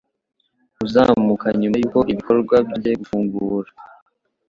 uzamuka nyuma y'uko ibikorwa byongeye gufungura.